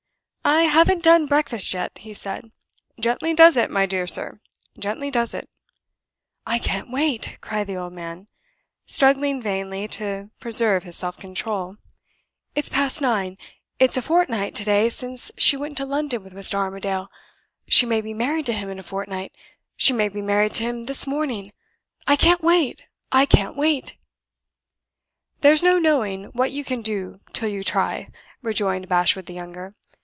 "I haven't done breakfast yet," he said. "Gently does it, my dear sir gently does it." "I can't wait!" cried the old man, struggling vainly to preserve his self control. "It's past nine! It's a fortnight to day since she went to London with Mr. Armadale! She may be married to him in a fortnight! She may be married to him this morning! I can't wait! I can't wait!" "There's no knowing what you can do till you try," rejoined Bashwood the younger.